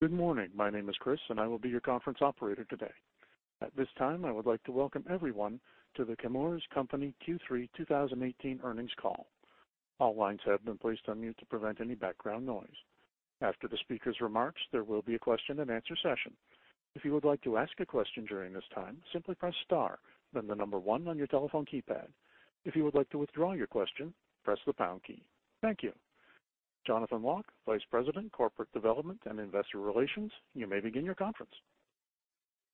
Good morning. My name is Chris, and I will be your conference operator today. At this time, I would like to welcome everyone to The Chemours Company Q3 2018 earnings call. All lines have been placed on mute to prevent any background noise. After the speaker's remarks, there will be a question and answer session. If you would like to ask a question during this time, simply press star, then the number 1 on your telephone keypad. If you would like to withdraw your question, press the pound key. Thank you. Jonathan Lock, Vice President, Corporate Development and Investor Relations, you may begin your conference.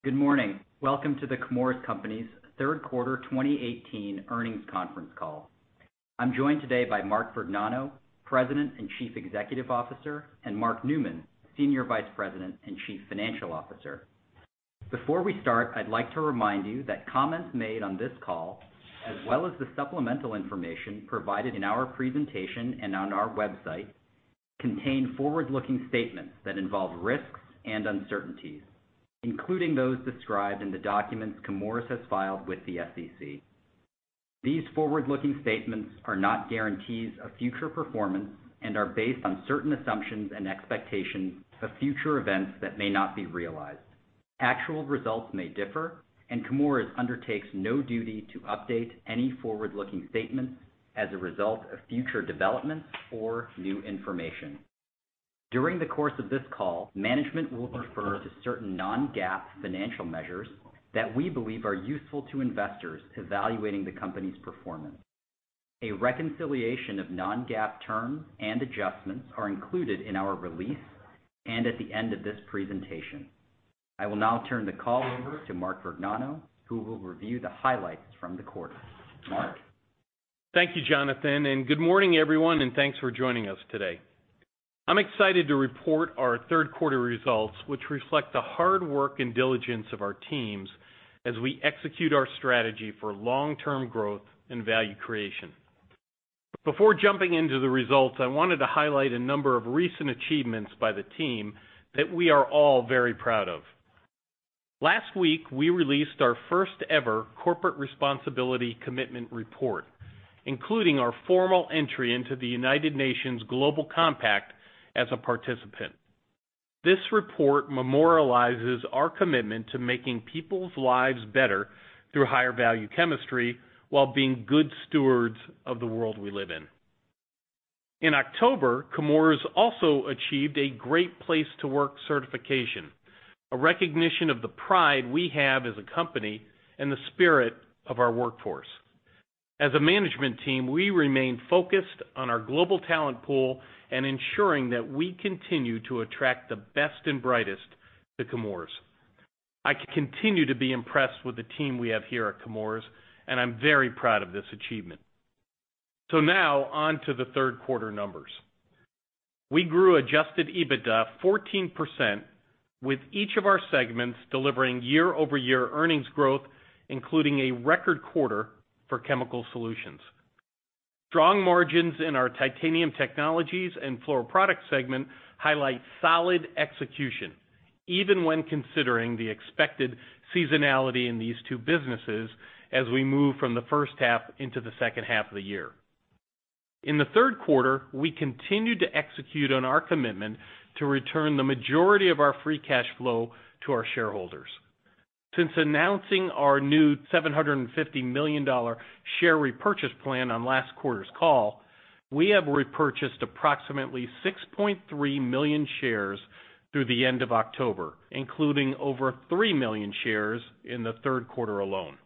Good morning. Welcome to The Chemours Company's third quarter 2018 earnings conference call. I'm joined today by Mark Vergnano, President and Chief Executive Officer, and Mark Newman, Senior Vice President and Chief Financial Officer. Before we start, I'd like to remind you that comments made on this call, as well as the supplemental information provided in our presentation and on our website, contain forward-looking statements that involve risks and uncertainties, including those described in the documents Chemours has filed with the SEC. These forward-looking statements are not guarantees of future performance and are based on certain assumptions and expectations of future events that may not be realized. Actual results may differ, and Chemours undertakes no duty to update any forward-looking statements as a result of future developments or new information. During the course of this call, management will refer to certain non-GAAP financial measures that we believe are useful to investors evaluating the company's performance. A reconciliation of non-GAAP terms and adjustments are included in our release and at the end of this presentation. I will now turn the call over to Mark Vergnano, who will review the highlights from the quarter. Mark? Thank you, Jonathan. Good morning, everyone, and thanks for joining us today. I'm excited to report our third quarter results, which reflect the hard work and diligence of our teams as we execute our strategy for long-term growth and value creation. Before jumping into the results, I wanted to highlight a number of recent achievements by the team that we are all very proud of. Last week, we released our first-ever Corporate Responsibility Commitment Report, including our formal entry into the United Nations Global Compact as a participant. This report memorializes our commitment to making people's lives better through higher value chemistry while being good stewards of the world we live in. In October, Chemours also achieved a Great Place to Work Certification, a recognition of the pride we have as a company and the spirit of our workforce. As a management team, we remain focused on our global talent pool and ensuring that we continue to attract the best and brightest to Chemours. I continue to be impressed with the team we have here at Chemours, and I'm very proud of this achievement. Now on to the third quarter numbers. We grew adjusted EBITDA 14% with each of our segments delivering year-over-year earnings growth, including a record quarter for Chemical Solutions. Strong margins in our Titanium Technologies and Fluoroproducts segment highlight solid execution, even when considering the expected seasonality in these two businesses as we move from the first half into the second half of the year. In the third quarter, we continued to execute on our commitment to return the majority of our free cash flow to our shareholders. Since announcing our new $750 million share repurchase plan on last quarter's call, we have repurchased approximately 6.3 million shares through the end of October, including over $3 million shares in the third quarter alone.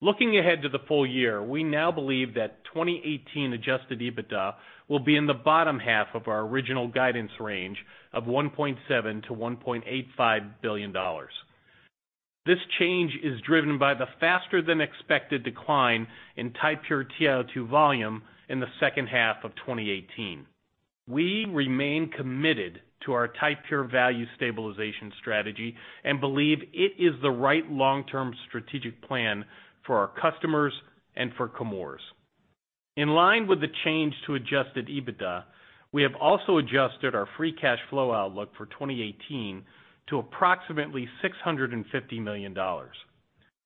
Looking ahead to the full year, we now believe that 2018 adjusted EBITDA will be in the bottom half of our original guidance range of $1.7 billion-$1.85 billion. This change is driven by the faster than expected decline in Ti-Pure TiO2 volume in the second half of 2018. We remain committed to our Ti-Pure value stabilization strategy and believe it is the right long-term strategic plan for our customers and for Chemours. In line with the change to adjusted EBITDA, we have also adjusted our free cash flow outlook for 2018 to approximately $650 million.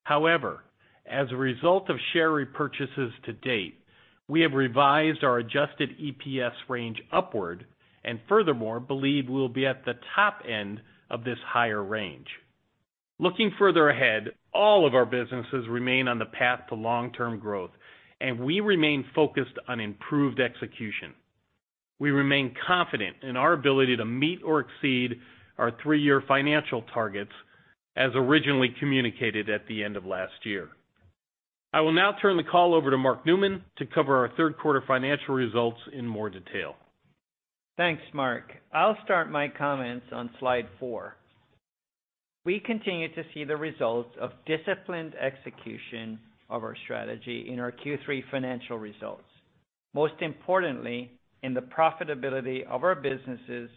However, as a result of share repurchases to date, we have revised our adjusted EPS range upward and furthermore believe we'll be at the top end of this higher range. Looking further ahead, all of our businesses remain on the path to long-term growth, and we remain focused on improved execution. We remain confident in our ability to meet or exceed our three-year financial targets as originally communicated at the end of last year. I will now turn the call over to Mark Newman to cover our third quarter financial results in more detail. Thanks, Mark. I'll start my comments on slide four. We continue to see the results of disciplined execution of our strategy in our Q3 financial results, most importantly in the profitability of our businesses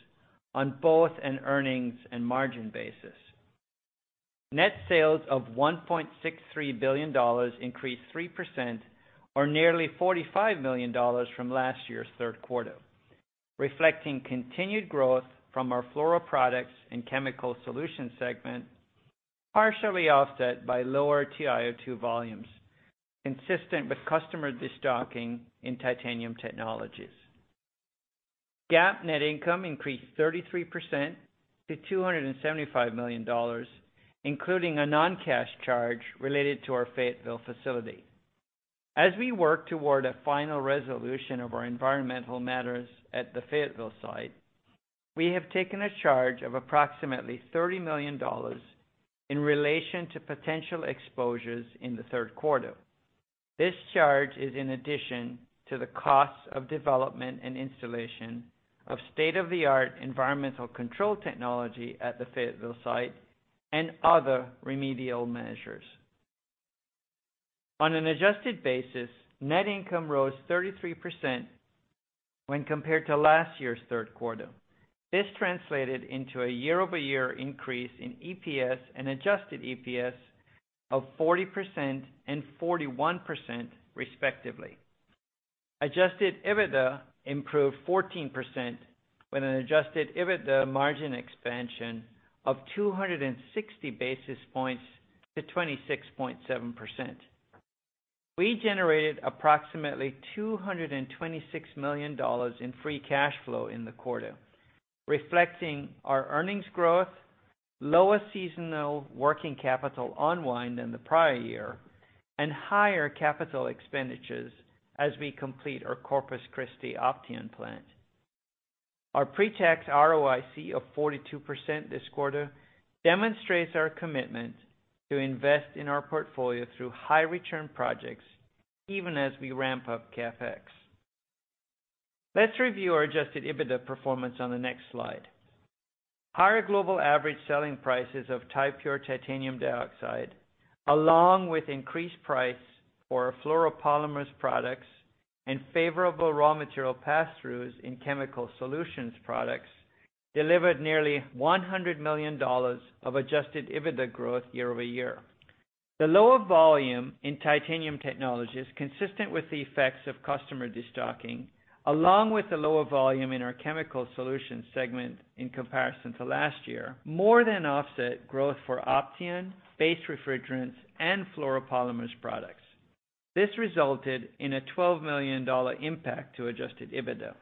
on both an earnings and margin basis. Net sales of $1.63 billion increased 3% or nearly $45 million from last year's third quarter, reflecting continued growth from our Fluoroproducts and Chemical Solutions segment Partially offset by lower TiO2 volumes, consistent with customer de-stocking in Titanium Technologies. GAAP net income increased 33% to $275 million, including a non-cash charge related to our Fayetteville facility. As we work toward a final resolution of our environmental matters at the Fayetteville site, we have taken a charge of approximately $30 million in relation to potential exposures in the third quarter. This charge is in addition to the costs of development and installation of state-of-the-art environmental control technology at the Fayetteville site and other remedial measures. On an adjusted basis, net income rose 33% when compared to last year's third quarter. This translated into a year-over-year increase in EPS and adjusted EPS of 40% and 41% respectively. Adjusted EBITDA improved 14% with an adjusted EBITDA margin expansion of 260 basis points to 26.7%. We generated approximately $226 million in free cash flow in the quarter, reflecting our earnings growth, lower seasonal working capital unwind than the prior year, and higher capital expenditures as we complete our Corpus Christi Opteon plant. Our pre-tax ROIC of 42% this quarter demonstrates our commitment to invest in our portfolio through high-return projects even as we ramp up CapEx. Let's review our adjusted EBITDA performance on the next slide. Higher global average selling prices of Ti-Pure titanium dioxide, along with increased price for fluoropolymers products and favorable raw material passthroughs in Chemical Solutions products, delivered nearly $100 million of adjusted EBITDA growth year-over-year. The lower volume in Titanium Technologies, consistent with the effects of customer de-stocking, along with the lower volume in our Chemical Solutions segment in comparison to last year, more than offset growth for Opteon-based refrigerants and fluoropolymers products. This resulted in a $12 million impact to adjusted EBITDA.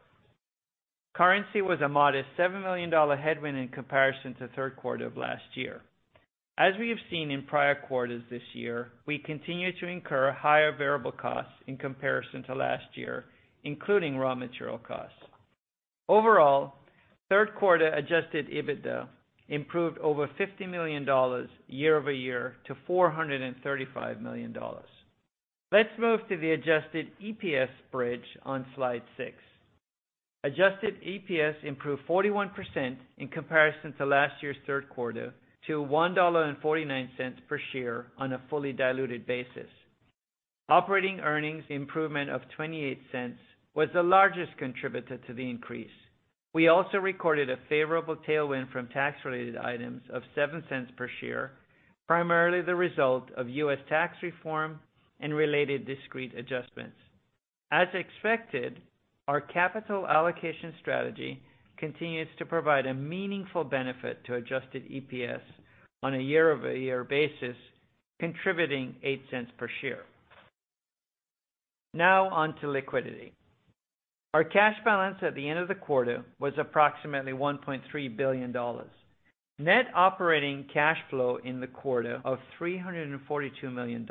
Currency was a modest $7 million headwind in comparison to third quarter of last year. As we have seen in prior quarters this year, we continue to incur higher variable costs in comparison to last year, including raw material costs. Overall, third quarter adjusted EBITDA improved over $50 million year-over-year to $435 million. Let's move to the adjusted EPS bridge on Slide Six. Adjusted EPS improved 41% in comparison to last year's third quarter to $1.49 per share on a fully diluted basis. Operating earnings improvement of $0.28 was the largest contributor to the increase. We also recorded a favorable tailwind from tax-related items of $0.07 per share, primarily the result of U.S. tax reform and related discrete adjustments. As expected, our capital allocation strategy continues to provide a meaningful benefit to adjusted EPS on a year-over-year basis, contributing $0.08 per share. Now on to liquidity. Our cash balance at the end of the quarter was approximately $1.3 billion. Net operating cash flow in the quarter of $342 million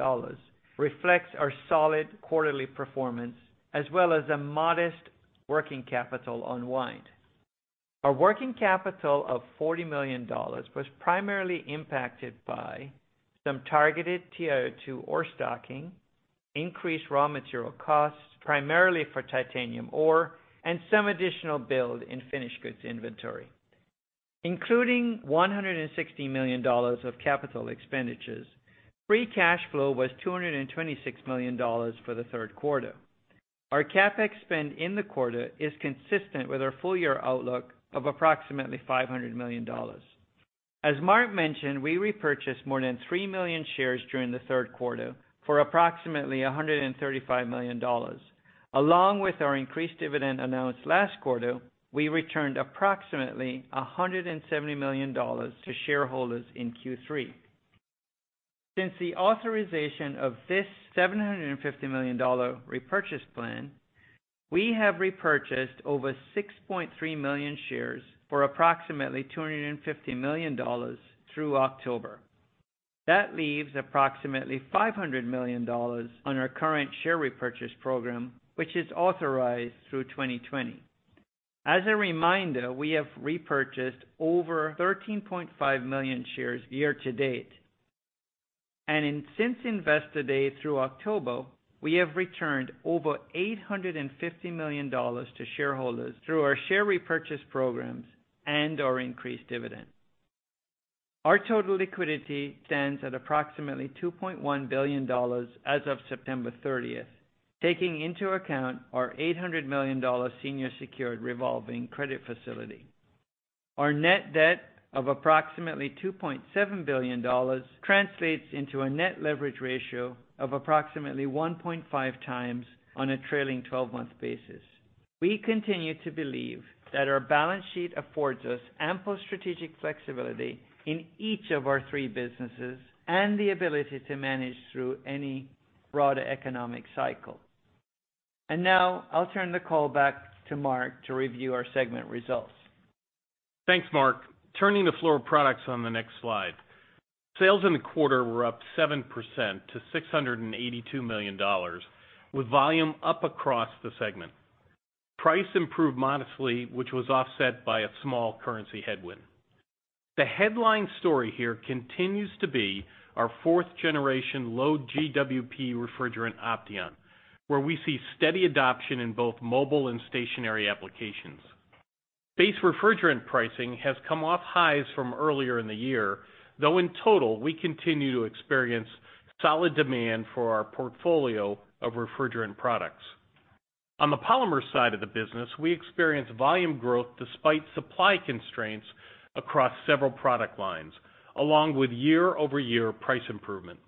reflects our solid quarterly performance as well as a modest working capital unwind. Our working capital of $40 million was primarily impacted by some targeted TiO2 ore stocking, increased raw material costs primarily for titanium ore, and some additional build in finished goods inventory. Including $160 million of capital expenditures, free cash flow was $226 million for the third quarter. Our CapEx spend in the quarter is consistent with our full-year outlook of approximately $500 million. As Mark mentioned, we repurchased more than 3 million shares during the third quarter for approximately $135 million. Along with our increased dividend announced last quarter, we returned approximately $170 million to shareholders in Q3. Since the authorization of this $750 million repurchase plan, we have repurchased over 6.3 million shares for approximately $250 million through October. That leaves approximately $500 million on our current share repurchase program, which is authorized through 2020. As a reminder, we have repurchased over 13.5 million shares year-to-date. Since Investor Day through October, we have returned over $850 million to shareholders through our share repurchase programs and our increased dividend. Our total liquidity stands at approximately $2.1 billion as of September 30th, taking into account our $800 million senior secured revolving credit facility. Our net debt of approximately $2.7 billion translates into a net leverage ratio of approximately 1.5 times on a trailing 12-month basis. We continue to believe that our balance sheet affords us ample strategic flexibility in each of our three businesses and the ability to manage through any broader economic cycle. Now I'll turn the call back to Mark to review our segment results. Thanks, Mark. Turning to Fluoroproducts on the next slide. Sales in the quarter were up 7% to $682 million with volume up across the segment. Price improved modestly, which was offset by a small currency headwind. The headline story here continues to be our fourth generation low GWP refrigerant Opteon, where we see steady adoption in both mobile and stationary applications. Base refrigerant pricing has come off highs from earlier in the year, though in total, we continue to experience solid demand for our portfolio of refrigerant products. On the polymer side of the business, we experienced volume growth despite supply constraints across several product lines, along with year-over-year price improvement.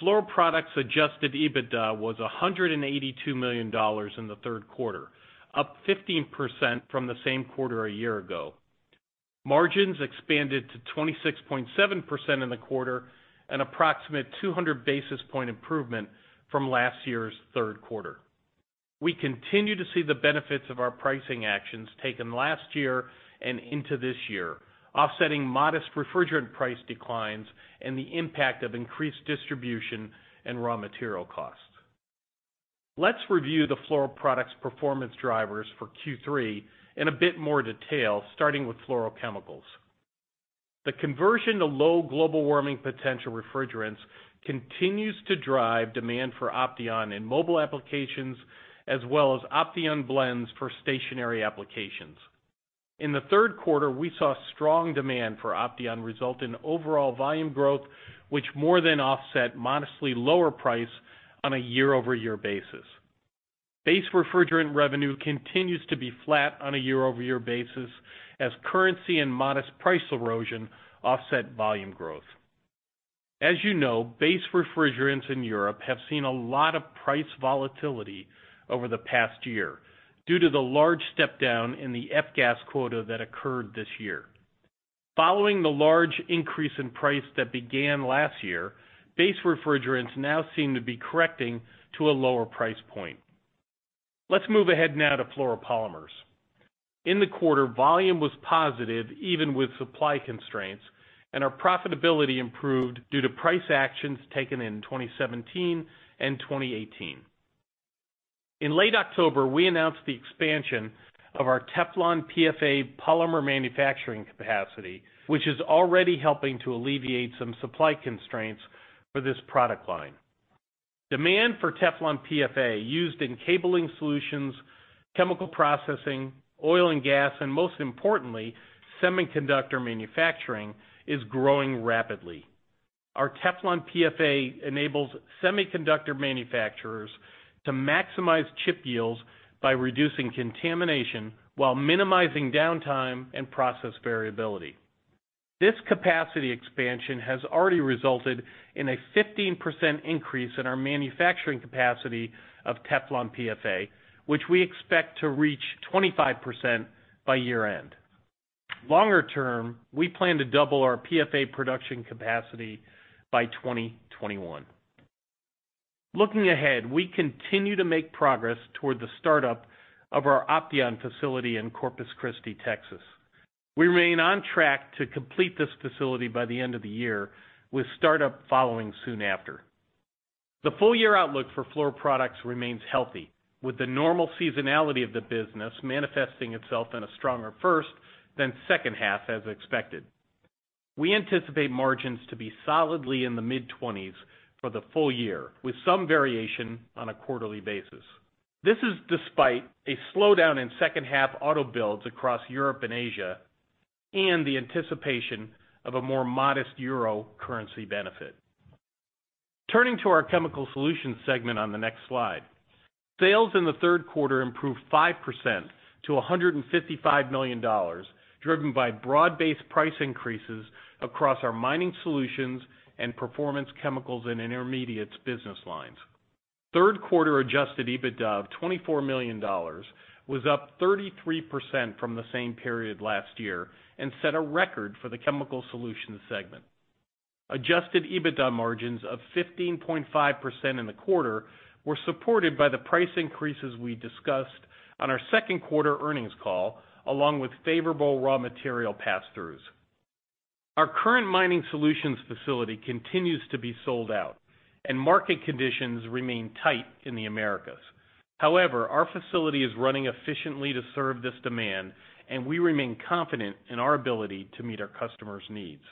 Fluoroproducts adjusted EBITDA was $182 million in the third quarter, up 15% from the same quarter a year ago. Margins expanded to 26.7% in the quarter and approximate 200 basis point improvement from last year's third quarter. We continue to see the benefits of our pricing actions taken last year and into this year, offsetting modest refrigerant price declines and the impact of increased distribution and raw material costs. Let's review the Fluoroproducts performance drivers for Q3 in a bit more detail, starting with fluorochemicals. The conversion to low global warming potential refrigerants continues to drive demand for Opteon in mobile applications, as well as Opteon blends for stationary applications. In the third quarter, we saw strong demand for Opteon result in overall volume growth, which more than offset modestly lower price on a year-over-year basis. Base refrigerant revenue continues to be flat on a year-over-year basis as currency and modest price erosion offset volume growth. As you know, base refrigerants in Europe have seen a lot of price volatility over the past year due to the large step down in the F-Gas quota that occurred this year. Following the large increase in price that began last year, base refrigerants now seem to be correcting to a lower price point. Let's move ahead now to fluoropolymers. In the quarter, volume was positive even with supply constraints, and our profitability improved due to price actions taken in 2017 and 2018. In late October, we announced the expansion of our Teflon PFA polymer manufacturing capacity, which is already helping to alleviate some supply constraints for this product line. Demand for Teflon PFA used in cabling solutions, chemical processing, oil and gas, and most importantly, semiconductor manufacturing, is growing rapidly. Our Teflon PFA enables semiconductor manufacturers to maximize chip yields by reducing contamination while minimizing downtime and process variability. This capacity expansion has already resulted in a 15% increase in our manufacturing capacity of Teflon PFA, which we expect to reach 25% by year end. Longer term, we plan to double our PFA production capacity by 2021. Looking ahead, we continue to make progress toward the startup of our Opteon facility in Corpus Christi, Texas. We remain on track to complete this facility by the end of the year, with startup following soon after. The full year outlook for Fluoroproducts remains healthy, with the normal seasonality of the business manifesting itself in a stronger first than second half as expected. We anticipate margins to be solidly in the mid-20s for the full year, with some variation on a quarterly basis. This is despite a slowdown in second half auto builds across Europe and Asia and the anticipation of a more modest euro currency benefit. Turning to our Chemical Solutions segment on the next slide. Sales in the third quarter improved 5% to $155 million, driven by broad-based price increases across our mining solutions and performance chemicals and intermediates business lines. Third quarter adjusted EBITDA of $24 million was up 33% from the same period last year and set a record for the Chemical Solutions segment. Adjusted EBITDA margins of 15.5% in the quarter were supported by the price increases we discussed on our second quarter earnings call, along with favorable raw material pass-throughs. Our current mining solutions facility continues to be sold out, and market conditions remain tight in the Americas. However, our facility is running efficiently to serve this demand, and we remain confident in our ability to meet our customers' needs.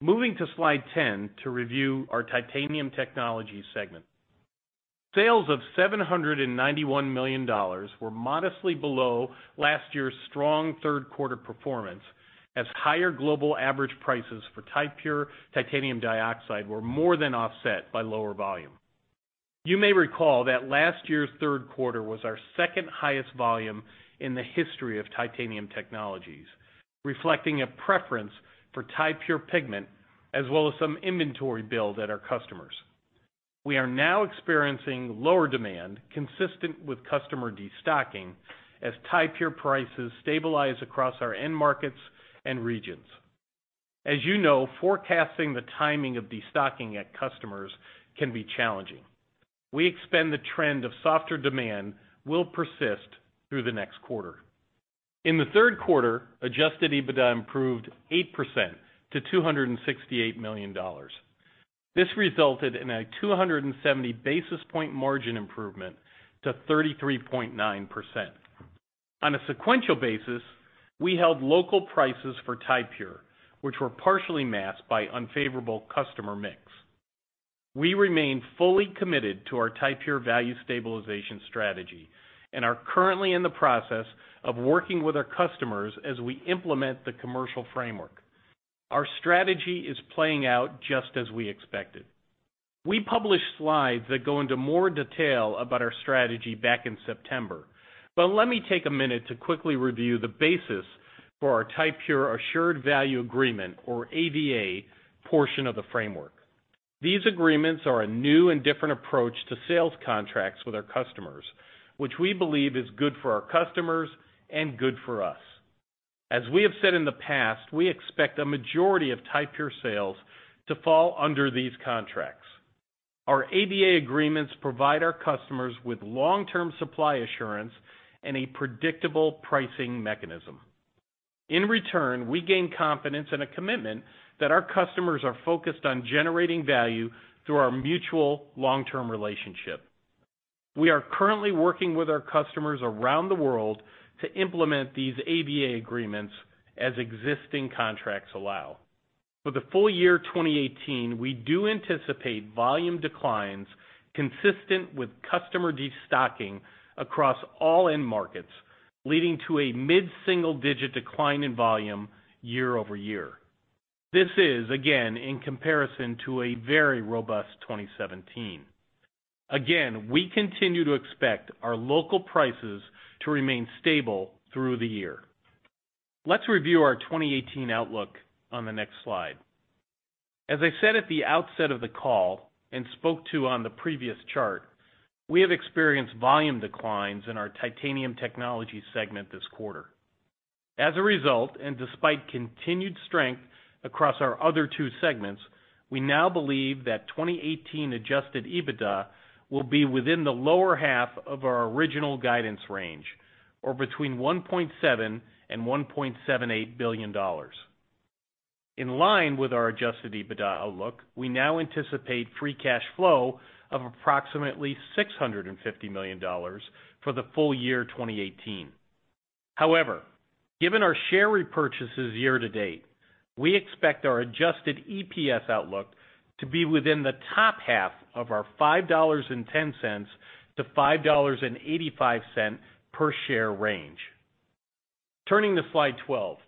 Moving to Slide 10 to review our Titanium Technologies segment. Sales of $791 million were modestly below last year's strong third quarter performance as higher global average prices for Ti-Pure titanium dioxide were more than offset by lower volume. You may recall that last year's third quarter was our second highest volume in the history of Titanium Technologies, reflecting a preference for Ti-Pure pigment, as well as some inventory build at our customers. We are now experiencing lower demand consistent with customer destocking as Ti-Pure prices stabilize across our end markets and regions. As you know, forecasting the timing of destocking at customers can be challenging. We expect the trend of softer demand will persist through the next quarter. In the third quarter, adjusted EBITDA improved 8% to $268 million. This resulted in a 270 basis point margin improvement to 33.9%. On a sequential basis, we held local prices for Ti-Pure, which were partially masked by unfavorable customer mix. We remain fully committed to our Ti-Pure value stabilization strategy and are currently in the process of working with our customers as we implement the commercial framework. Our strategy is playing out just as we expected. We published slides that go into more detail about our strategy back in September, but let me take a minute to quickly review the basis for our Ti-Pure Assured Value Agreement, or AVA, portion of the framework. These agreements are a new and different approach to sales contracts with our customers, which we believe is good for our customers and good for us. As we have said in the past, we expect a majority of Ti-Pure sales to fall under these contracts. Our AVA agreements provide our customers with long-term supply assurance and a predictable pricing mechanism. In return, we gain confidence in a commitment that our customers are focused on generating value through our mutual long-term relationship. We are currently working with our customers around the world to implement these AVA agreements as existing contracts allow. For the full year 2018, we do anticipate volume declines consistent with customer destocking across all end markets, leading to a mid-single-digit decline in volume year-over-year. This is, again, in comparison to a very robust 2017. Again, we continue to expect our local prices to remain stable through the year. Let's review our 2018 outlook on the next slide. As I said at the outset of the call, and spoke to on the previous chart, we have experienced volume declines in our Titanium Technologies segment this quarter. As a result, and despite continued strength across our other two segments, we now believe that 2018 adjusted EBITDA will be within the lower half of our original guidance range, or between $1.7 billion and $1.78 billion. In line with our adjusted EBITDA outlook, we now anticipate free cash flow of approximately $650 million for the full year 2018. However, given our share repurchases year to date, we expect our adjusted EPS outlook to be within the top half of our $5.10-$5.85 per share range. Turning to slide 12,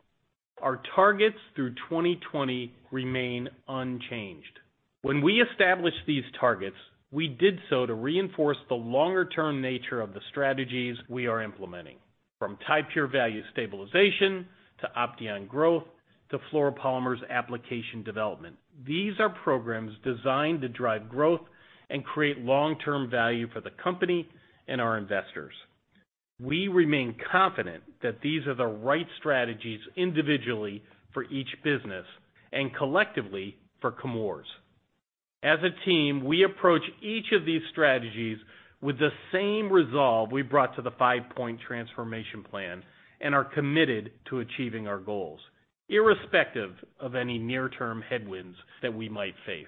our targets through 2020 remain unchanged. When we established these targets, we did so to reinforce the longer-term nature of the strategies we are implementing, from Ti-Pure value stabilization to Opteon growth to fluoropolymers application development. These are programs designed to drive growth and create long-term value for the company and our investors. We remain confident that these are the right strategies individually for each business and collectively for Chemours. As a team, we approach each of these strategies with the same resolve we brought to the five-point transformation plan and are committed to achieving our goals, irrespective of any near-term headwinds that we might face.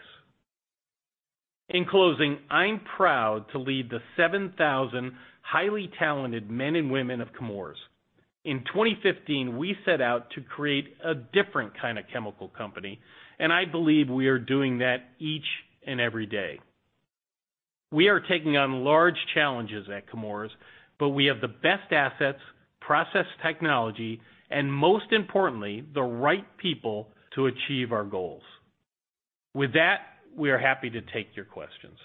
In closing, I'm proud to lead the 7,000 highly talented men and women of Chemours. In 2015, we set out to create a different kind of chemical company, I believe we are doing that each and every day. We are taking on large challenges at Chemours, we have the best assets, process technology, and most importantly, the right people to achieve our goals. With that, we are happy to take your questions.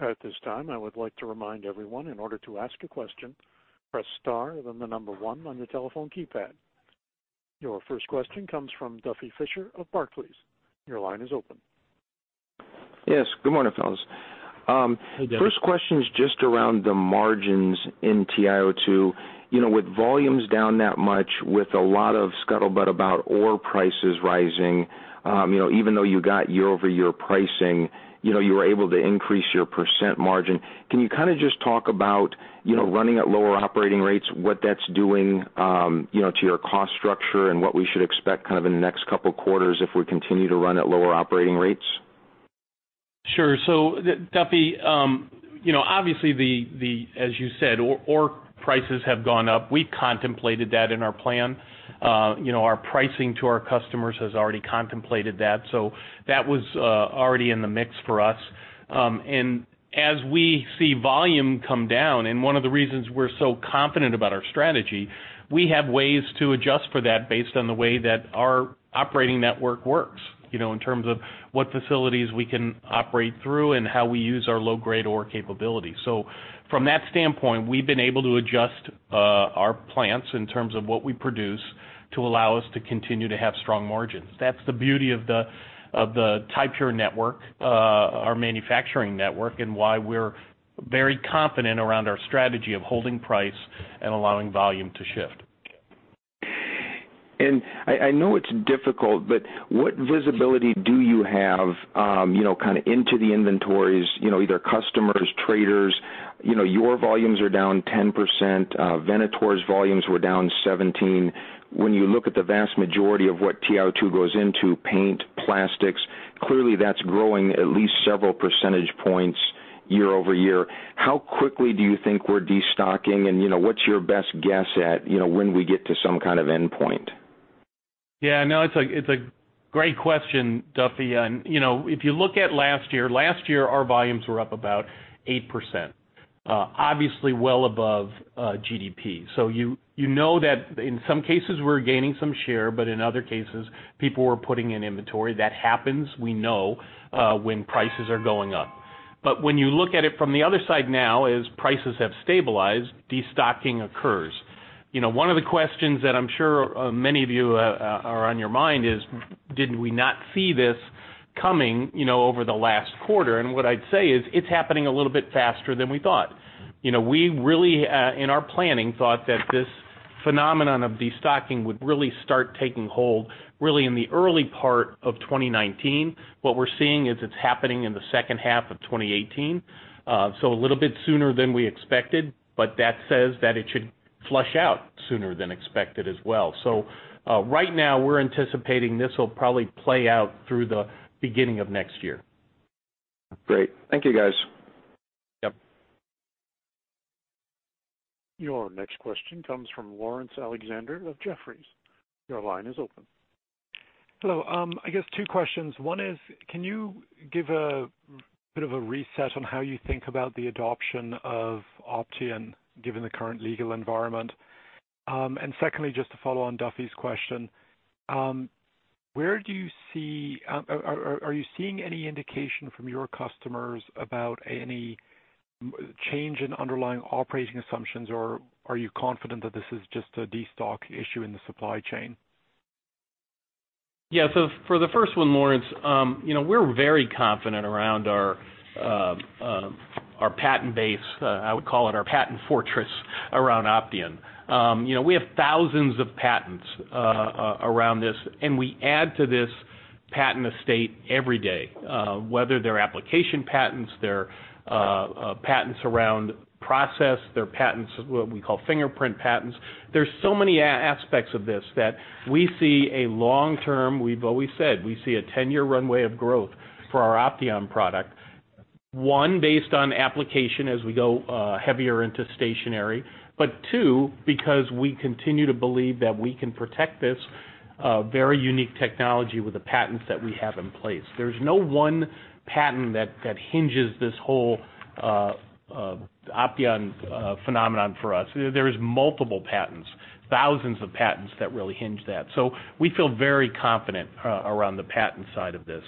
At this time, I would like to remind everyone, in order to ask a question, press star, then the number one on your telephone keypad. Your first question comes from Duffy Fischer of Barclays. Your line is open. Yes. Good morning, fellas. Hey, Duffy. First question is just around the margins in TiO2. With volumes down that much, with a lot of scuttlebutt about ore prices rising, even though you got year-over-year pricing, you were able to increase your % margin. Can you just talk about running at lower operating rates, what that's doing to your cost structure and what we should expect in the next couple of quarters if we continue to run at lower operating rates? Sure. Duffy Fischer, obviously as you said, ore prices have gone up. We've contemplated that in our plan. Our pricing to our customers has already contemplated that was already in the mix for us. As we see volume come down, and one of the reasons we're so confident about our strategy, we have ways to adjust for that based on the way that our operating network works in terms of what facilities we can operate through and how we use our low-grade ore capability. From that standpoint, we've been able to adjust our plants in terms of what we produce to allow us to continue to have strong margins. That's the beauty of the Ti-Pure network, our manufacturing network, and why we're very confident around our strategy of holding price and allowing volume to shift. I know it's difficult, but what visibility do you have into the inventories, either customers, traders. Your volumes are down 10%, Venator's volumes were down 17%. When you look at the vast majority of what TiO2 goes into, paint, plastics, clearly that's growing at least several percentage points year-over-year. How quickly do you think we're destocking and what's your best guess at when we get to some kind of endpoint? Yeah, no, it's a great question, Duffy Fischer. If you look at last year, last year our volumes were up about 8%, obviously well above GDP. You know that in some cases we're gaining some share, but in other cases, people were putting in inventory. That happens, we know, when prices are going up. When you look at it from the other side now, as prices have stabilized, destocking occurs. One of the questions that I'm sure on many of you are on your mind is, did we not see this coming over the last quarter? What I'd say is, it's happening a little bit faster than we thought. We really, in our planning, thought that this phenomenon of destocking would really start taking hold really in the early part of 2019. What we're seeing is it's happening in the second half of 2018. A little bit sooner than we expected, but that says that it should flush out sooner than expected as well. Right now we're anticipating this will probably play out through the beginning of next year. Great. Thank you guys. Yep. Your next question comes from Laurence Alexander of Jefferies. Your line is open. Hello. I guess two questions. One is, can you give a bit of a reset on how you think about the adoption of Opteon given the current legal environment? Secondly, just to follow on Duffy's question, are you seeing any indication from your customers about any change in underlying operating assumptions, or are you confident that this is just a destock issue in the supply chain? Yeah. For the first one, Laurence, we're very confident around our patent base, I would call it our patent fortress around Opteon. We have thousands of patents around this, and we add to this patent estate every day, whether they're application patents, they're patents around process, they're what we call fingerprint patents. There's so many aspects of this that we see a long-term, we've always said, we see a 10-year runway of growth for our Opteon product. One, based on application as we go heavier into stationary. Two, because we continue to believe that we can protect this very unique technology with the patents that we have in place. There's no one patent that hinges this whole Opteon phenomenon for us. There is multiple patents, thousands of patents that really hinge that. We feel very confident around the patent side of this.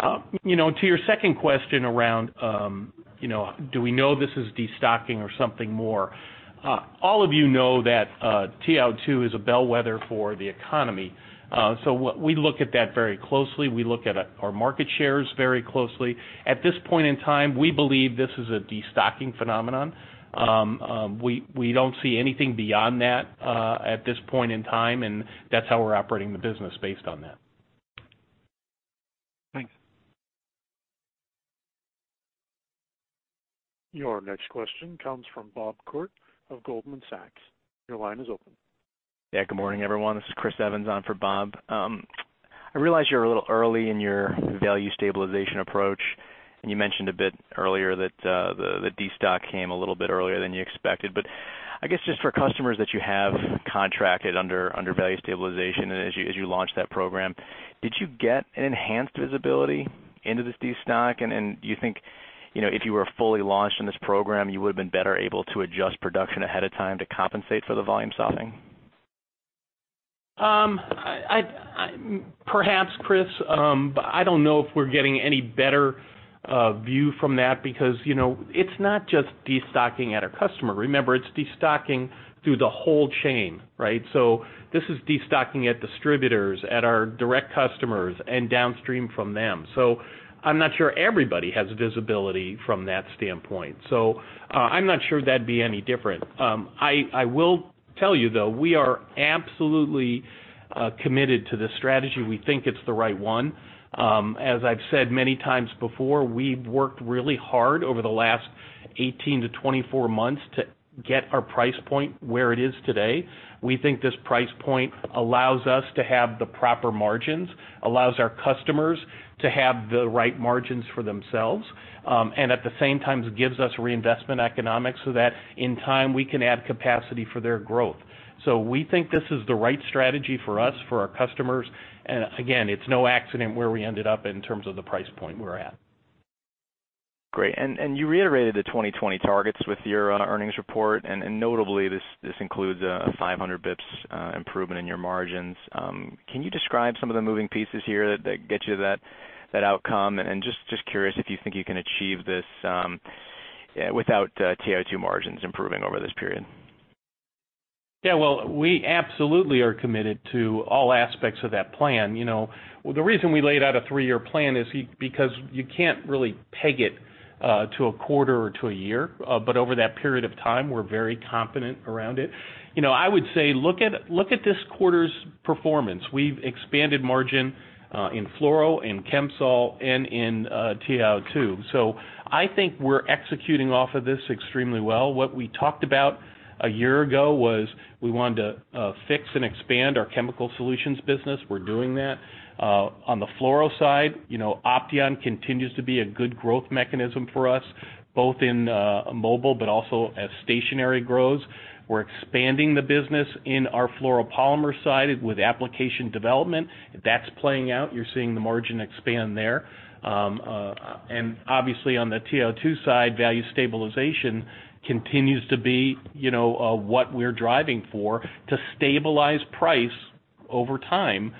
To your second question around do we know this is destocking or something more? All of you know that TiO2 is a bellwether for the economy. We look at that very closely. We look at our market shares very closely. At this point in time, we believe this is a destocking phenomenon. We don't see anything beyond that at this point in time, that's how we're operating the business based on that. Thanks. Your next question comes from Bob Koort of Goldman Sachs. Your line is open. Yeah. Good morning, everyone. This is Christopher Evans on for Bob. I realize you're a little early in your value stabilization approach, and you mentioned a bit earlier that the destock came a little bit earlier than you expected. I guess just for customers that you have contracted under value stabilization, and as you launched that program, did you get an enhanced visibility into this destock? Do you think, if you were fully launched in this program, you would've been better able to adjust production ahead of time to compensate for the volume stopping? Perhaps, Chris. I don't know if we're getting any better view from that because it's not just destocking at a customer. Remember, it's destocking through the whole chain, right? This is destocking at distributors, at our direct customers, and downstream from them. I'm not sure everybody has visibility from that standpoint. I'm not sure that'd be any different. I will tell you, though, we are absolutely committed to this strategy. We think it's the right one. As I've said many times before, we've worked really hard over the last 18-24 months to get our price point where it is today. We think this price point allows us to have the proper margins, allows our customers to have the right margins for themselves. At the same time, gives us reinvestment economics so that in time we can add capacity for their growth. We think this is the right strategy for us, for our customers. Again, it's no accident where we ended up in terms of the price point we're at. Great. You reiterated the 2020 targets with your earnings report, and notably, this includes a 500 basis points improvement in your margins. Can you describe some of the moving pieces here that get you that outcome? Just curious if you think you can achieve this without TiO2 margins improving over this period. We absolutely are committed to all aspects of that plan. The reason we laid out a three-year plan is because you can't really peg it to a quarter or to a year, but over that period of time we're very confident around it. I would say, look at this quarter's performance. We've expanded margin in fluoro, in Chemsol, and in TiO2. I think we're executing off of this extremely well. What we talked about a year ago was we wanted to fix and expand our Chemical Solutions business. We're doing that. On the fluoro side, Opteon continues to be a good growth mechanism for us, both in mobile but also as stationary grows. We're expanding the business in our fluoropolymer side with application development. That's playing out. You're seeing the margin expand there. Obviously on the TiO2 side, value stabilization continues to be what we're driving for, to stabilize price over time,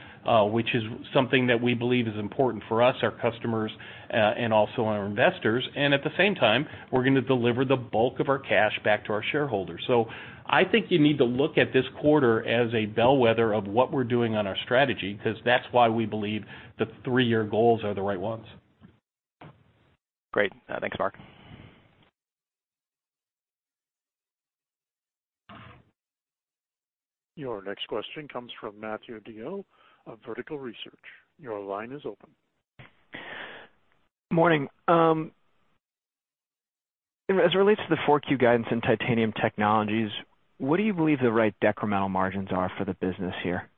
which is something that we believe is important for us, our customers, and also our investors. At the same time, we're going to deliver the bulk of our cash back to our shareholders. I think you need to look at this quarter as a bellwether of what we're doing on our strategy, because that's why we believe the three-year goals are the right ones. Great. Thanks, Mark. Your next question comes from Matthew DeYoe of Vertical Research. Your line is open. Morning. As it relates to the Q4 guidance in Titanium Technologies, what do you believe the right decremental margins are for the business here?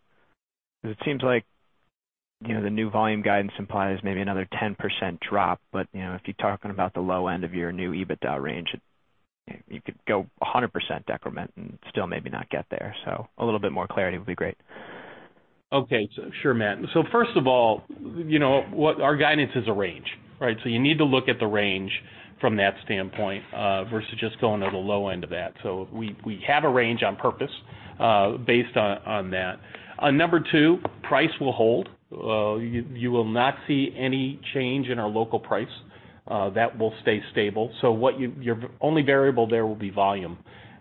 It seems like the new volume guidance implies maybe another 10% drop, but if you're talking about the low end of your new EBITDA range, you could go 100% decrement and still maybe not get there. A little bit more clarity would be great. Okay. Sure, Matt. First of all, our guidance is a range, right? You need to look at the range from that standpoint versus just going to the low end of that. We have a range on purpose based on that. Number 2, price will hold. You will not see any change in our local price. That will stay stable. Your only variable there will be volume,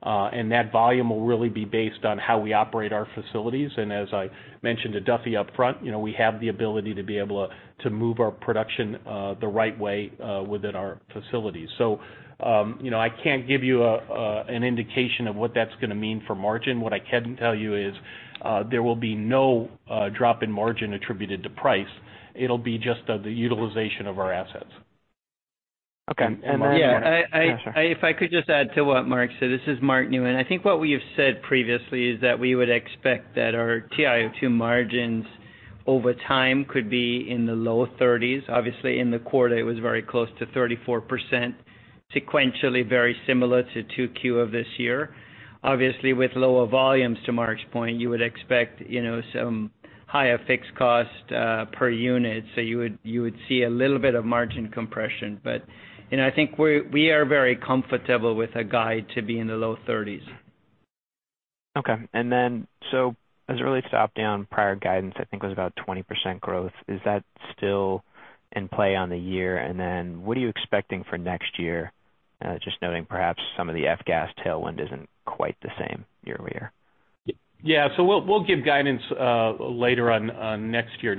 and that volume will really be based on how we operate our facilities. As I mentioned to Duffy up front, we have the ability to be able to move our production the right way within our facilities. I can't give you an indication of what that's going to mean for margin. What I can tell you is there will be no drop in margin attributed to price. It'll be just the utilization of our assets. Okay. And then- Yeah, if I could just add to what Mark said. This is Mark Newman. I think what we have said previously is that we would expect that our TiO2 margins over time could be in the low 30s. Obviously in the quarter it was very close to 34%, sequentially very similar to 2Q of this year. Obviously with lower volumes, to Mark's point, you would expect some higher fixed cost per unit. You would see a little bit of margin compression. I think we are very comfortable with a guide to be in the low 30s. Okay. As it relates to Opteon, prior guidance I think was about 20% growth. Is that still in play on the year? What are you expecting for next year? Just noting perhaps some of the F-Gas tailwind isn't quite the same year-over-year. Yeah. We'll give guidance later on next year,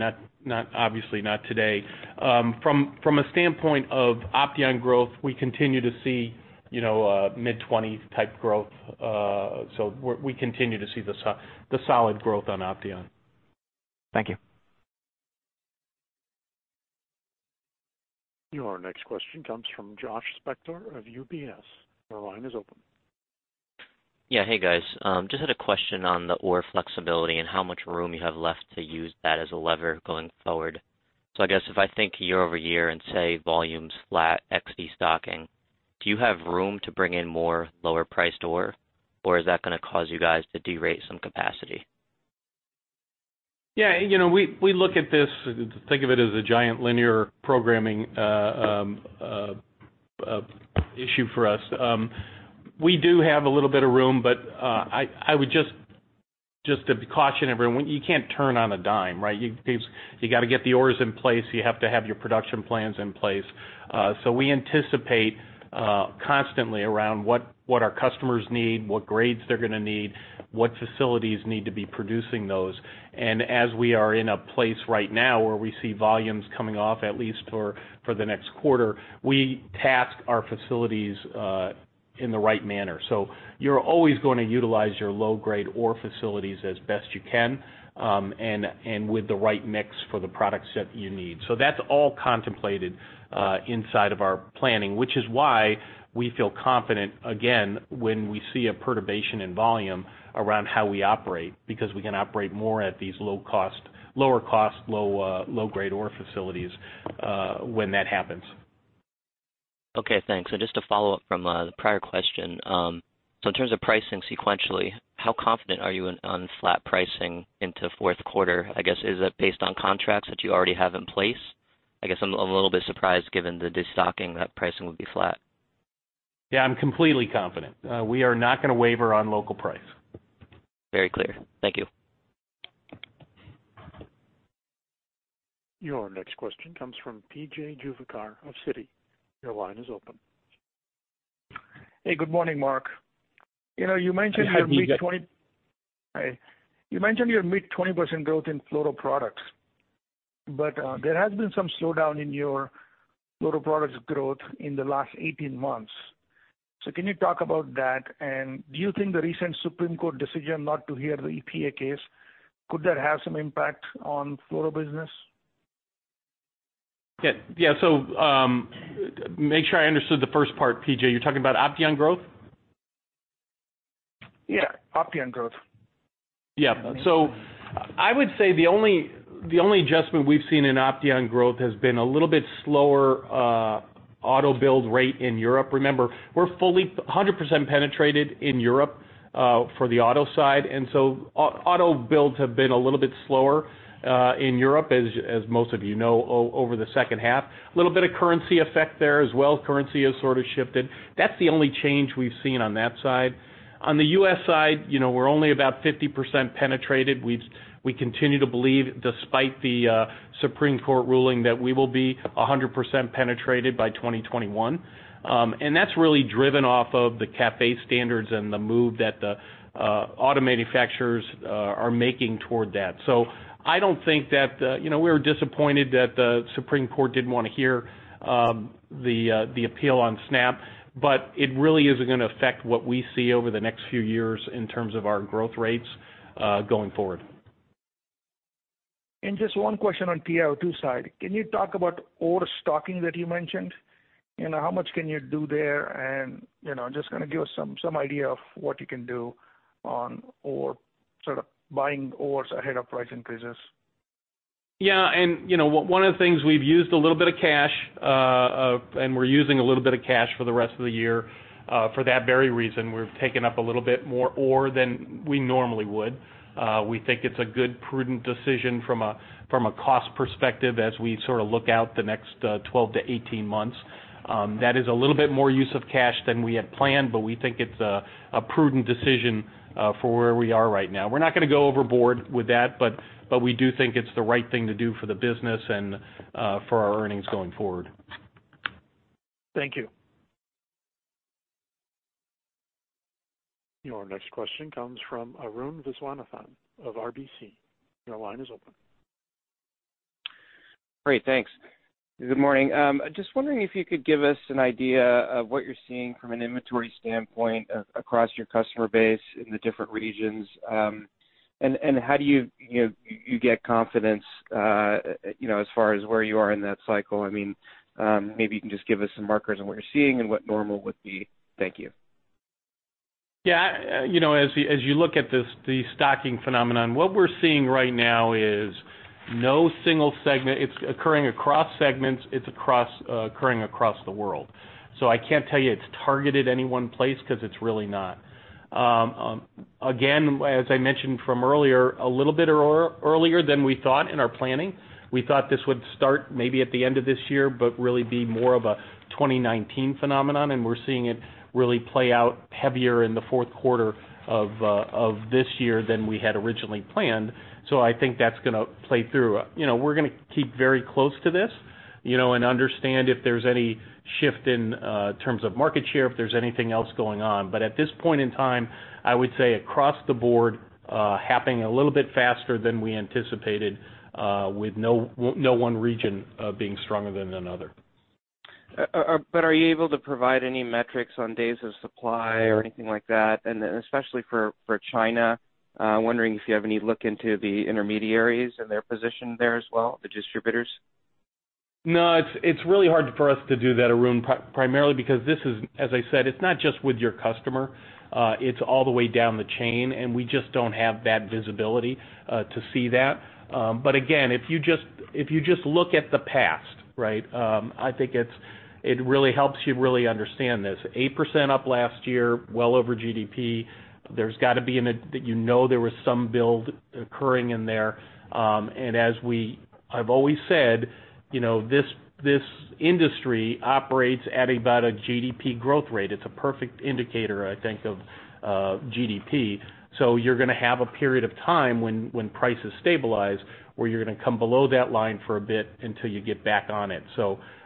obviously not today. From a standpoint of Opteon growth, we continue to see mid-20 type growth. We continue to see the solid growth on Opteon. Thank you. Your next question comes from Joshua Spector of UBS. Your line is open. Yeah. Hey, guys. Just had a question on the ore flexibility and how much room you have left to use that as a lever going forward. I guess if I think year-over-year and say volume's flat, ex de-stocking, do you have room to bring in more lower priced ore? Is that going to cause you guys to derate some capacity? Yeah. We look at this, think of it as a giant linear programming issue for us. We do have a little bit of room, just to caution everyone, you can't turn on a dime, right? You got to get the ores in place. You have to have your production plans in place. We anticipate constantly around what our customers need, what grades they're going to need, what facilities need to be producing those. As we are in a place right now where we see volumes coming off, at least for the next quarter, we task our facilities in the right manner. You're always going to utilize your low-grade ore facilities as best you can, and with the right mix for the products that you need. That's all contemplated inside of our planning, which is why we feel confident, again, when we see a perturbation in volume around how we operate, because we can operate more at these lower cost, low-grade ore facilities when that happens. Okay, thanks. Just to follow up from the prior question. In terms of pricing sequentially, how confident are you on flat pricing into fourth quarter? I guess, is that based on contracts that you already have in place? I guess I'm a little bit surprised given the de-stocking that pricing would be flat. Yeah, I'm completely confident. We are not going to waver on local price. Very clear. Thank you. Your next question comes from P.J. Juvekar of Citi. Your line is open. Hey, good morning, Mark. You mentioned your mid-20% growth in Fluoroproducts, but there has been some slowdown in your Fluoroproducts growth in the last 18 months. Can you talk about that? Do you think the recent Supreme Court decision not to hear the EPA case, could that have some impact on fluoro business? Yeah. Make sure I understood the first part, PJ. You're talking about Opteon growth? Yeah, Opteon growth. I would say the only adjustment we've seen in Opteon growth has been a little bit slower auto build rate in Europe. Remember, we're fully 100% penetrated in Europe for the auto side, auto builds have been a little bit slower in Europe, as most of you know, over the second half. A little bit of currency effect there as well. Currency has sort of shifted. That's the only change we've seen on that side. On the U.S. side, we're only about 50% penetrated. We continue to believe, despite the Supreme Court ruling, that we will be 100% penetrated by 2021. That's really driven off of the CAFE standards and the move that the auto manufacturers are making toward that. We were disappointed that the Supreme Court didn't want to hear the appeal on SNAP, but it really isn't going to affect what we see over the next few years in terms of our growth rates going forward. Just one question on TiO2 side. Can you talk about ore stocking that you mentioned? How much can you do there? Just kind of give us some idea of what you can do on ore, sort of buying ores ahead of price increases. Yeah, one of the things we've used a little bit of cash, and we're using a little bit of cash for the rest of the year for that very reason. We've taken up a little bit more ore than we normally would. We think it's a good, prudent decision from a cost perspective as we sort of look out the next 12 to 18 months. That is a little bit more use of cash than we had planned, but we think it's a prudent decision for where we are right now. We're not going to go overboard with that, but we do think it's the right thing to do for the business and for our earnings going forward. Thank you. Your next question comes from Arun Viswanathan of RBC. Your line is open. Great, thanks. Good morning. Just wondering if you could give us an idea of what you're seeing from an inventory standpoint across your customer base in the different regions. How do you get confidence as far as where you are in that cycle? Maybe you can just give us some markers on what you're seeing and what normal would be. Thank you. Yeah. As you look at the stocking phenomenon, what we're seeing right now is it's occurring across segments, it's occurring across the world. I can't tell you it's targeted any one place, because it's really not. As I mentioned from earlier, a little bit earlier than we thought in our planning. We thought this would start maybe at the end of this year, really be more of a 2019 phenomenon, we're seeing it really play out heavier in the fourth quarter of this year than we had originally planned. I think that's going to play through. We're going to keep very close to this, understand if there's any shift in terms of market share, if there's anything else going on. At this point in time, I would say across the board, happening a little bit faster than we anticipated, with no one region being stronger than another. Are you able to provide any metrics on days of supply or anything like that? Especially for China, wondering if you have any look into the intermediaries and their position there as well, the distributors. No, it's really hard for us to do that, Arun, primarily because this is, as I said, it's not just with your customer, it's all the way down the chain, and we just don't have that visibility to see that. Again, if you just look at the past, I think it really helps you really understand this. 8% up last year, well over GDP. You know there was some build occurring in there. As I've always said, this industry operates at about a GDP growth rate. It's a perfect indicator, I think, of GDP. You're going to have a period of time when prices stabilize, where you're going to come below that line for a bit until you get back on it.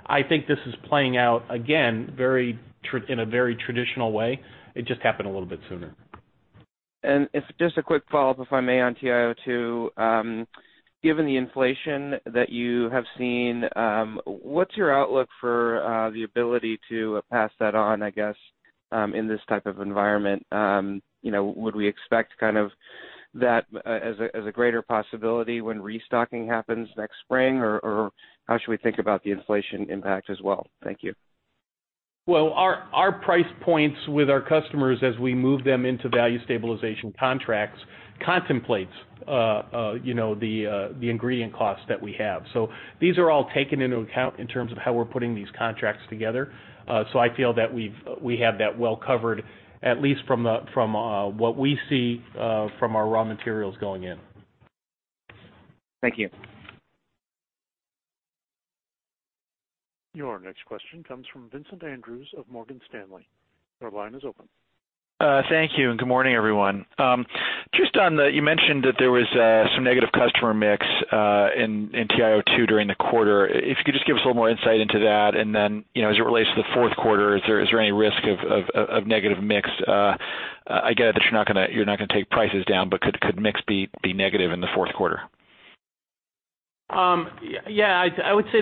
I think this is playing out, again, in a very traditional way. It just happened a little bit sooner. Just a quick follow-up, if I may, on TiO2. Given the inflation that you have seen, what's your outlook for the ability to pass that on, I guess, in this type of environment? Would we expect that as a greater possibility when restocking happens next spring, or how should we think about the inflation impact as well? Thank you. Well, our price points with our customers as we move them into value stabilization contracts contemplates the ingredient costs that we have. These are all taken into account in terms of how we're putting these contracts together. I feel that we have that well covered, at least from what we see from our raw materials going in. Thank you. Your next question comes from Vincent Andrews of Morgan Stanley. Your line is open. Thank you and good morning, everyone. You mentioned that there was some negative customer mix in TiO2 during the quarter. If you could just give us a little more insight into that, and then, as it relates to the fourth quarter, is there any risk of negative mix? I get it that you're not going to take prices down, but could mix be negative in the fourth quarter? I would say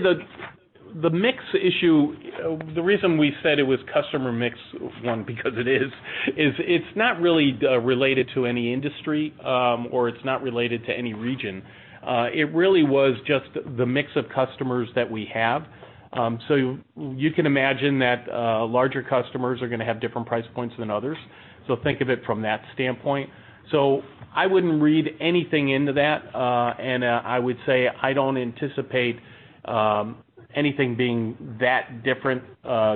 the mix issue, the reason we said it was customer mix, one, because it is, it's not really related to any industry, or it's not related to any region. It really was just the mix of customers that we have. You can imagine that larger customers are going to have different price points than others. Think of it from that standpoint. I wouldn't read anything into that, and I would say I don't anticipate anything being that different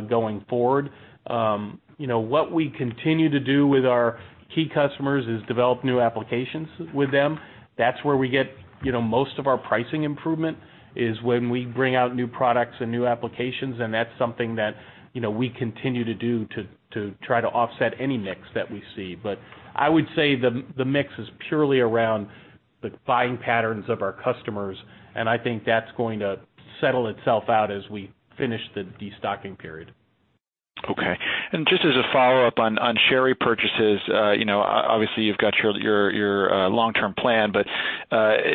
going forward. What we continue to do with our key customers is develop new applications with them. That's where we get most of our pricing improvement is when we bring out new products and new applications, and that's something that we continue to do to try to offset any mix that we see. I would say the mix is purely around the buying patterns of our customers, and I think that's going to settle itself out as we finish the de-stocking period. Okay. Just as a follow-up on share repurchases, obviously you've got your long-term plan, but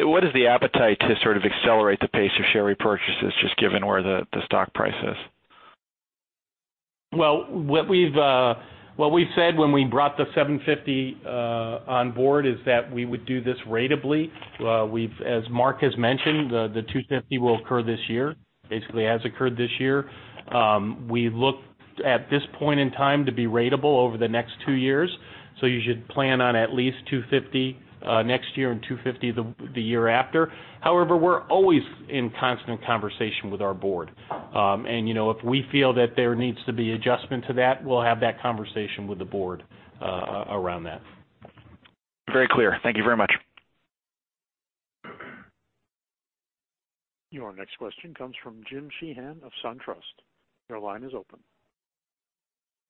what is the appetite to sort of accelerate the pace of share repurchases, just given where the stock price is? Well, what we've said when we brought the $750 on board is that we would do this ratably. As Mark has mentioned, the $250 will occur this year. Basically has occurred this year. We look at this point in time to be ratable over the next two years, so you should plan on at least $250 next year and $250 the year after. However, we're always in constant conversation with our board. If we feel that there needs to be adjustment to that, we'll have that conversation with the board around that. Very clear. Thank you very much. Your next question comes from Jim Sheehan of SunTrust. Your line is open.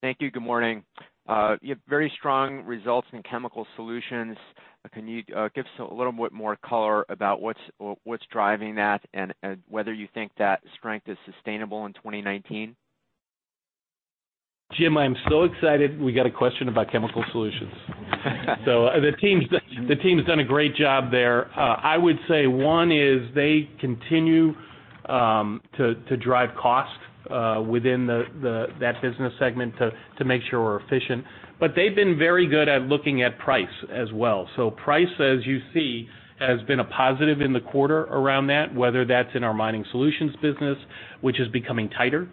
Thank you. Good morning. You have very strong results in Chemical Solutions. Can you give us a little bit more color about what's driving that, and whether you think that strength is sustainable in 2019? Jim, I am so excited we got a question about Chemical Solutions. The team's done a great job there. I would say one is they continue to drive cost within that business segment to make sure we're efficient. They've been very good at looking at price as well. Price, as you see, has been a positive in the quarter around that, whether that's in our Mining Solutions business, which is becoming tighter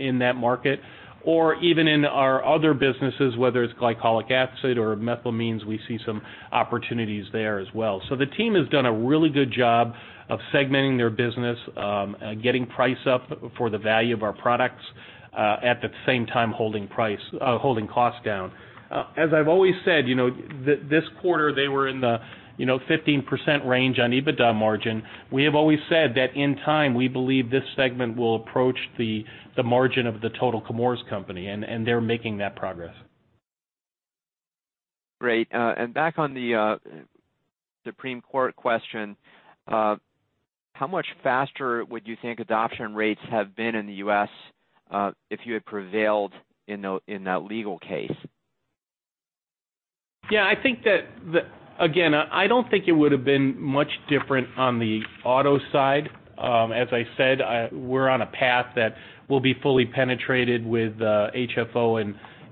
in that market, or even in our other businesses, whether it's glycolic acid or methylamine, we see some opportunities there as well. The team has done a really good job of segmenting their business, getting price up for the value of our products, at the same time holding cost down. As I've always said, this quarter they were in the 15% range on EBITDA margin. We have always said that in time we believe this segment will approach the margin of the total The Chemours Company, and they're making that progress. Great. Back on the Supreme Court question, how much faster would you think adoption rates have been in the U.S. if you had prevailed in that legal case? Again, I don't think it would've been much different on the auto side. As I said, we're on a path that will be fully penetrated with HFO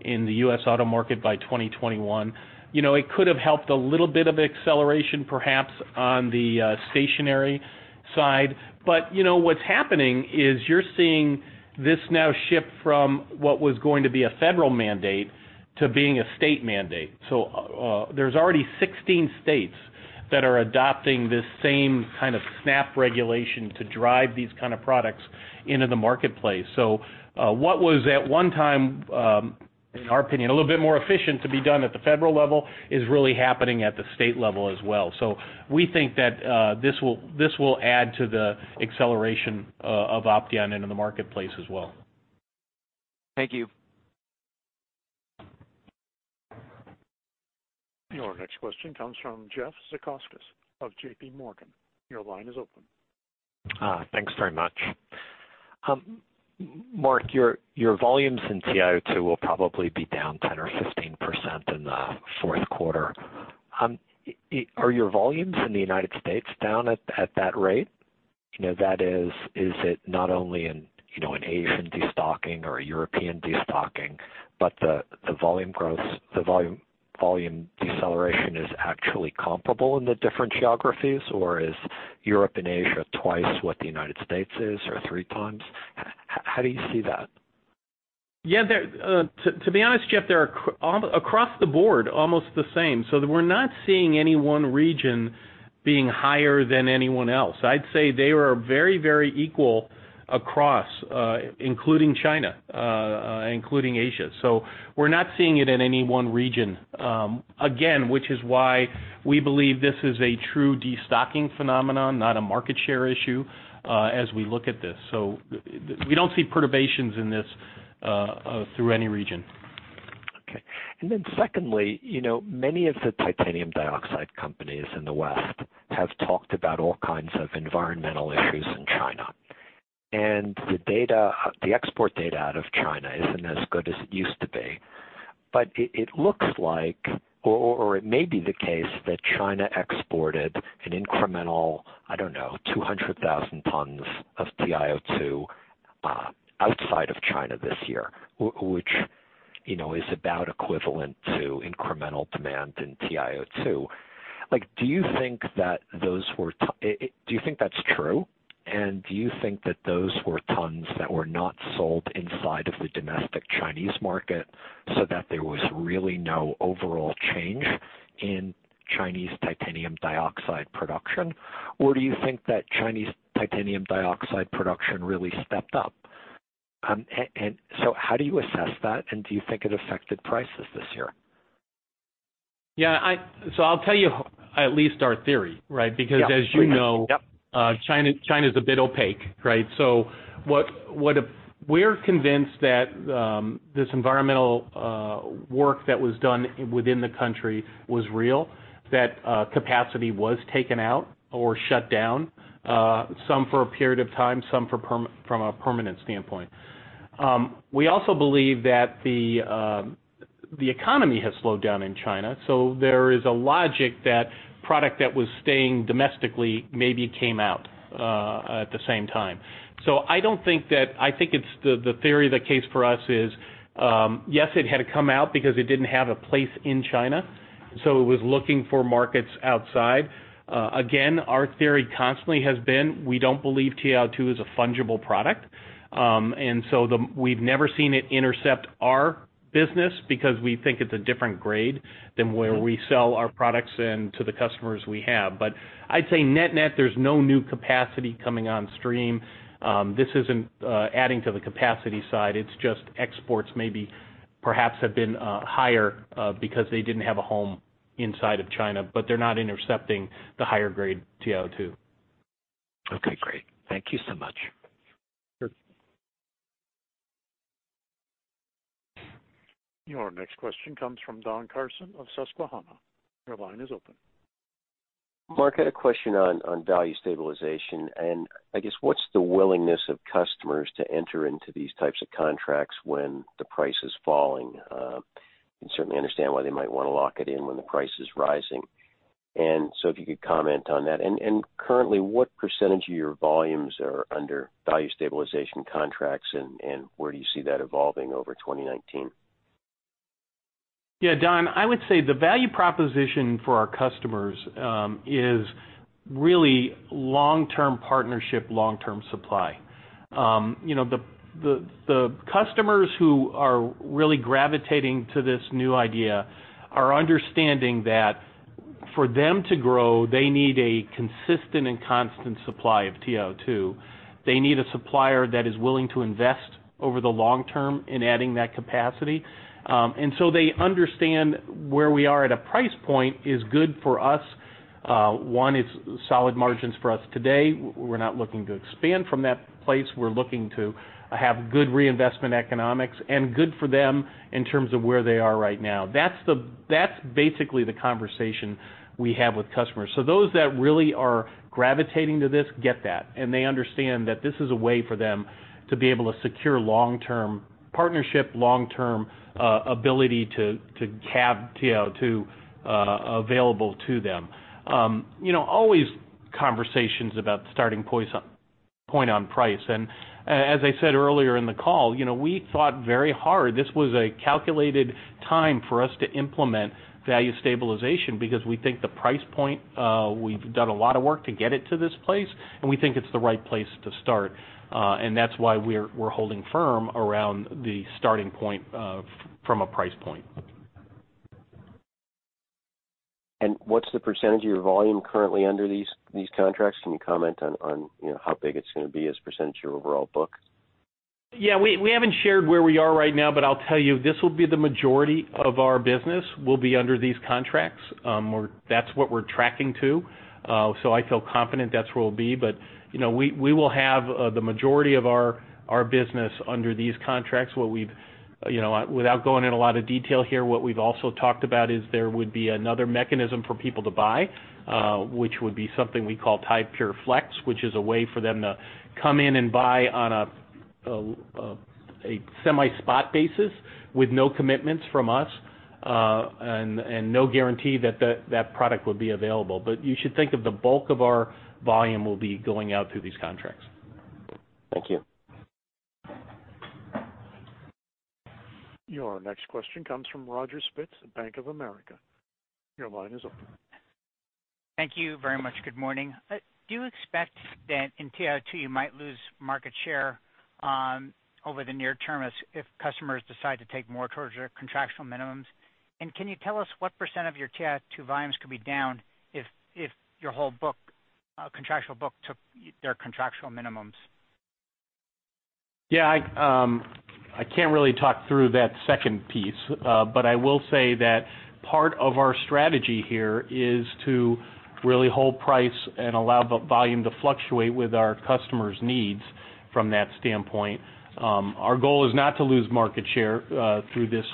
in the U.S. auto market by 2021. It could have helped a little bit of acceleration perhaps on the stationary side. What's happening is you're seeing this now shift from what was going to be a federal mandate to being a state mandate. There's already 16 states that are adopting this same kind of SNAP regulation to drive these kind of products into the marketplace. What was at one time, in our opinion, a little bit more efficient to be done at the federal level is really happening at the state level as well. We think that this will add to the acceleration of Opteon into the marketplace as well. Thank you. Your next question comes from Jeffrey Zekauskas of J.P. Morgan. Your line is open. Thanks very much. Mark, your volumes in TiO2 will probably be down 10% or 15% in the fourth quarter. Are your volumes in the U.S. down at that rate? That is it not only in Asian de-stocking or European de-stocking, but the volume deceleration is actually comparable in the different geographies, or is Europe and Asia twice what the U.S. is or three times? How do you see that? Yeah. To be honest, Jeff, they are across the board almost the same. We're not seeing any one region being higher than anyone else. I'd say they are very equal across, including China including Asia. We're not seeing it in any one region, again, which is why we believe this is a true de-stocking phenomenon, not a market share issue, as we look at this. We don't see perturbations in this through any region. Okay. Then secondly, many of the titanium dioxide companies in the West have talked about all kinds of environmental issues in China. The export data out of China isn't as good as it used to be. It looks like, or it may be the case that China exported an incremental, I don't know, 200,000 tons of TiO2 outside of China this year, which is about equivalent to incremental demand in TiO2. Do you think that's true, and do you think that those were tons that were not sold inside of the domestic Chinese market, so that there was really no overall change in Chinese titanium dioxide production? Do you think that Chinese titanium dioxide production really stepped up? So how do you assess that, and do you think it affected prices this year? Yeah. I'll tell you at least our theory, right? Yeah, please. Yep. As you know China's a bit opaque, right? We're convinced that this environmental work that was done within the country was real, that capacity was taken out or shut down, some for a period of time, some from a permanent standpoint. We also believe that the economy has slowed down in China. There is a logic that product that was staying domestically maybe came out at the same time. I think it's the theory of the case for us is, yes, it had to come out because it didn't have a place in China, it was looking for markets outside. Again, our theory constantly has been, we don't believe TiO2 is a fungible product. We've never seen it intercept our business because we think it's a different grade than where we sell our products and to the customers we have. I'd say net, there's no new capacity coming on stream. This isn't adding to the capacity side. It's just exports maybe perhaps have been higher, because they didn't have a home inside of China, but they're not intercepting the higher grade TiO2. Okay, great. Thank you so much. Sure. Your next question comes from Don Carson of Susquehanna. Your line is open. Mark, I had a question on value stabilization, and I guess what's the willingness of customers to enter into these types of contracts when the price is falling? I can certainly understand why they might want to lock it in when the price is rising. If you could comment on that. Currently, what % of your volumes are under value stabilization contracts, and where do you see that evolving over 2019? Yeah, Don, I would say the value proposition for our customers, is really long-term partnership, long-term supply. The customers who are really gravitating to this new idea are understanding that for them to grow, they need a consistent and constant supply of TiO2. They need a supplier that is willing to invest over the long term in adding that capacity. They understand where we are at a price point is good for us. One, it's solid margins for us today. We're not looking to expand from that place. We're looking to have good reinvestment economics, and good for them in terms of where they are right now. That's basically the conversation we have with customers. Those that really are gravitating to this get that, and they understand that this is a way for them to be able to secure long-term partnership, long-term ability to have TiO2 available to them. Always conversations about starting point on price. As I said earlier in the call, we thought very hard. This was a calculated time for us to implement value stabilization because we think the price point, we've done a lot of work to get it to this place, and we think it's the right place to start. That's why we're holding firm around the starting point from a price point. What's the percentage of your volume currently under these contracts? Can you comment on how big it's going to be as a percentage of your overall book? Yeah. We haven't shared where we are right now, but I'll tell you, this will be the majority of our business will be under these contracts. That's what we're tracking to. I feel confident that's where we'll be. We will have the majority of our business under these contracts. Without going in a lot of detail here, what we've also talked about is there would be another mechanism for people to buy, which would be something we call Ti-Pure Flex, which is a way for them to come in and buy on a semi-spot basis with no commitments from us, and no guarantee that product would be available. You should think of the bulk of our volume will be going out through these contracts. Thank you. Your next question comes from Roger Spitz of Bank of America. Your line is open. Thank you very much. Good morning. Do you expect that in TiO2, you might lose market share over the near term if customers decide to take more towards their contractual minimums? Can you tell us what % of your TiO2 volumes could be down if your whole contractual book took their contractual minimums. Yeah. I can't really talk through that second piece. I will say that part of our strategy here is to really hold price and allow volume to fluctuate with our customers' needs from that standpoint. Our goal is not to lose market share through this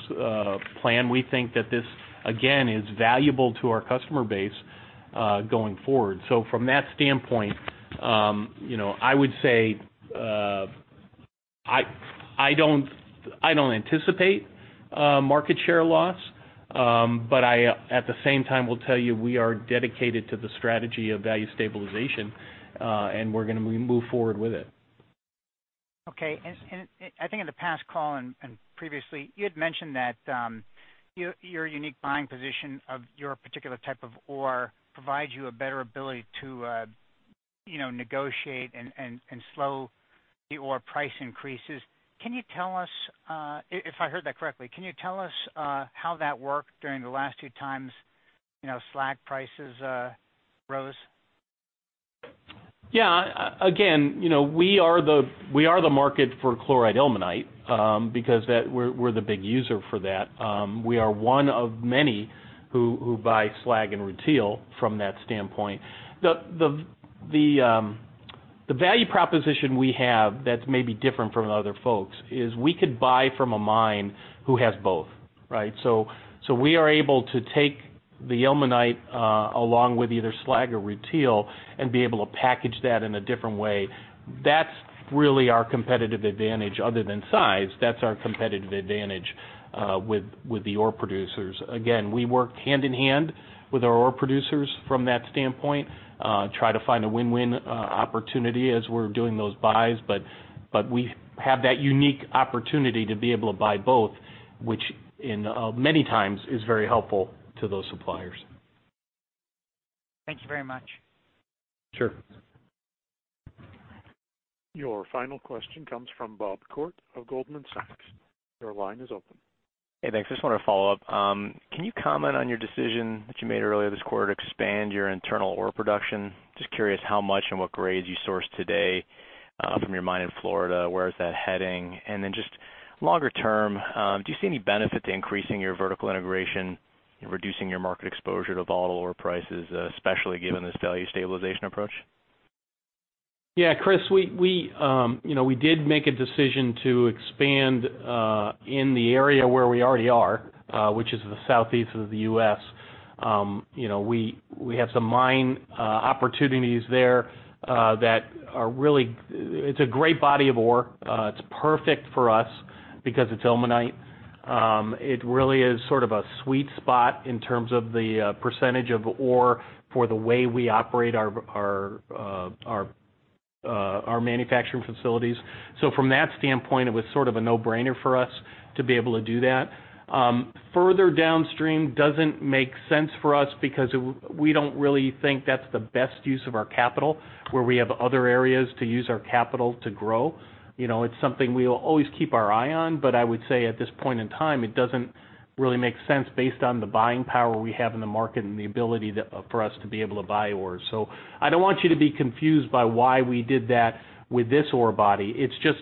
plan. We think that this, again, is valuable to our customer base going forward. From that standpoint, I would say, I don't anticipate market share loss. At the same time, we'll tell you we are dedicated to the strategy of value stabilization, and we're going to move forward with it. Okay. I think in the past call and previously, you had mentioned that your unique buying position of your particular type of ore provides you a better ability to negotiate and slow the ore price increases. If I heard that correctly, can you tell us how that worked during the last two times slag prices rose? Yeah. Again, we are the market for chloride ilmenite, because we're the big user for that. We are one of many who buy slag and rutile from that standpoint. The value proposition we have that's maybe different from other folks is we could buy from a mine who has both. Right? We are able to take the ilmenite, along with either slag or rutile, and be able to package that in a different way. That's really our competitive advantage. Other than size, that's our competitive advantage with the ore producers. Again, we work hand-in-hand with our ore producers from that standpoint, try to find a win-win opportunity as we're doing those buys. We have that unique opportunity to be able to buy both, which many times is very helpful to those suppliers. Thank you very much. Sure. Your final question comes from Bob Koort of Goldman Sachs. Your line is open. Hey, thanks. I just want to follow up. Can you comment on your decision that you made earlier this quarter to expand your internal ore production? Just curious how much and what grades you source today from your mine in Florida. Where is that heading? Then just longer term, do you see any benefit to increasing your vertical integration and reducing your market exposure to volatile ore prices, especially given this value stabilization approach? Yeah, Chris, we did make a decision to expand in the area where we already are, which is the southeast of the U.S. We have some mine opportunities there that are really it's a great body of ore. It's perfect for us because it's ilmenite. It really is sort of a sweet spot in terms of the percentage of ore for the way we operate our manufacturing facilities. From that standpoint, it was sort of a no-brainer for us to be able to do that. Further downstream doesn't make sense for us because we don't really think that's the best use of our capital, where we have other areas to use our capital to grow. It's something we will always keep our eye on, I would say at this point in time, it doesn't really make sense based on the buying power we have in the market and the ability for us to be able to buy ore. I don't want you to be confused by why we did that with this ore body. It's just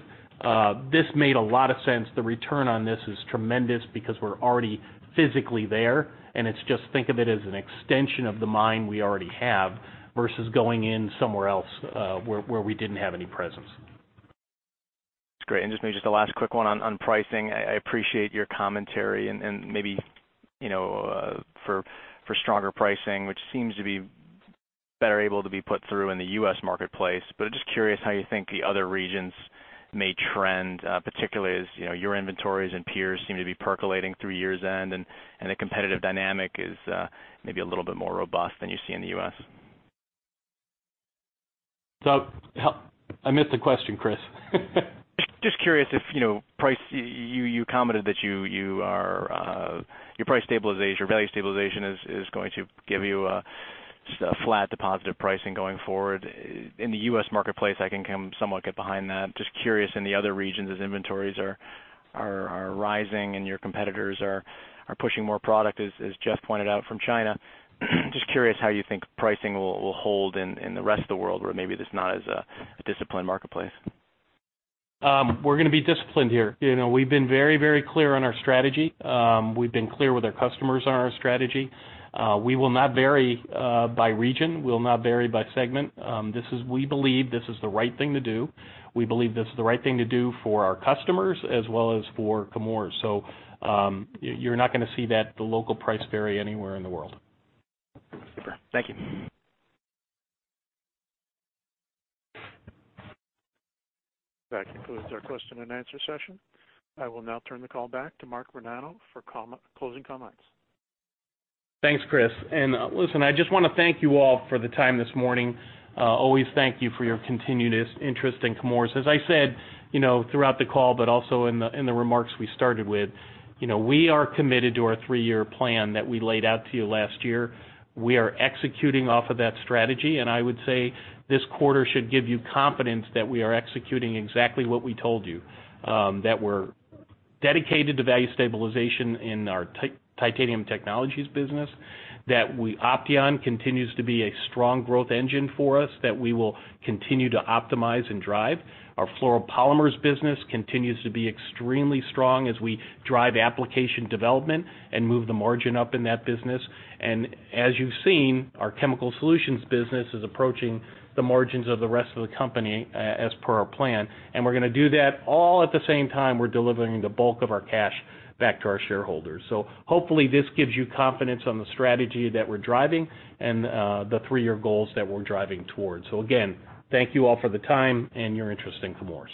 this made a lot of sense. The return on this is tremendous because we're already physically there, and it's just think of it as an extension of the mine we already have versus going in somewhere else where we didn't have any presence. That's great. Just maybe just a last quick one on pricing. I appreciate your commentary and maybe for stronger pricing, which seems to be better able to be put through in the U.S. marketplace. Just curious how you think the other regions may trend, particularly as your inventories and peers seem to be percolating through year's end and the competitive dynamic is maybe a little bit more robust than you see in the U.S. I missed the question, Chris. Just curious if price, you commented that your value stabilization is going to give you a flat to positive pricing going forward. In the U.S. marketplace, I can somewhat get behind that. Just curious in the other regions as inventories are rising and your competitors are pushing more product, as Jeff pointed out from China. Just curious how you think pricing will hold in the rest of the world where maybe there's not as a disciplined marketplace. We're going to be disciplined here. We've been very clear on our strategy. We've been clear with our customers on our strategy. We will not vary by region. We'll not vary by segment. We believe this is the right thing to do. We believe this is the right thing to do for our customers as well as for Chemours. You're not going to see the local price vary anywhere in the world. Super. Thank you. That concludes our question and answer session. I will now turn the call back to Mark Vergnano for closing comments. Thanks, Chris. Listen, I just want to thank you all for the time this morning. Always thank you for your continued interest in Chemours. As I said throughout the call, but also in the remarks we started with, we are committed to our three-year plan that we laid out to you last year. We are executing off of that strategy, and I would say this quarter should give you confidence that we are executing exactly what we told you. That we're dedicated to value stabilization in our Titanium Technologies business. That Opteon continues to be a strong growth engine for us that we will continue to optimize and drive. Our fluoropolymers business continues to be extremely strong as we drive application development and move the margin up in that business. As you've seen, our Chemical Solutions business is approaching the margins of the rest of the company as per our plan, and we're going to do that all at the same time we're delivering the bulk of our cash back to our shareholders. Hopefully this gives you confidence on the strategy that we're driving and the three-year goals that we're driving towards. Again, thank you all for the time and your interest in Chemours.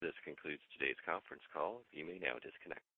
This concludes today's conference call. You may now disconnect.